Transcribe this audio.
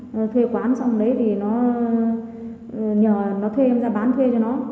nó thuê quán xong đấy thì nó nhờ nó thuê em ra bán thuê cho nó